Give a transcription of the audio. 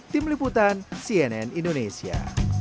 tim liputan cnn indonesia